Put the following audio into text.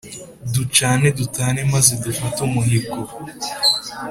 Ducane dutane maze dufate umuhigo!